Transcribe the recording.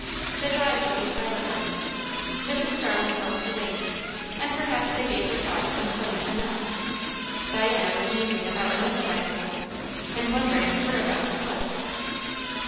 The drive was a silent one; Mrs. Starling held the reins, and perhaps they gave her thoughts employment enough; Diana was musing about another waggonful, and wondering whereabouts it was.